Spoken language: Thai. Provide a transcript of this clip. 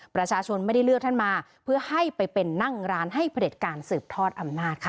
ประชาชนไม่ได้เลือกท่านมาเพื่อให้ไปเป็นนั่งร้านให้ผลิตการสืบทอดอำนาจค่ะ